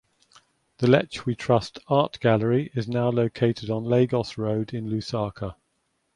The Lechwe Trust Art Gallery is now located on Lagos Road in Lusaka.